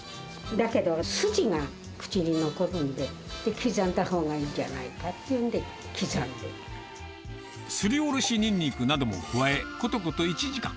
だけど、すじが口に残るんで、刻んだ方がいいんじゃないかっていうんで、すりおろしにんにくなども加え、ことこと１時間。